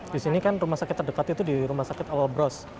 di sini kan rumah sakit terdekat itu di rumah sakit awal bros